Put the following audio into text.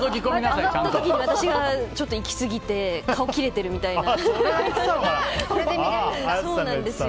上がった時に私が行き過ぎて顔、切れてるみたいな。